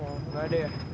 oh gak ada ya